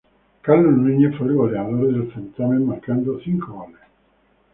Carlos Núñez fue el goleador del certamen marcando cinco goles.